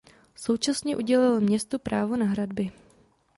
Současně udělil městu právo na hradby.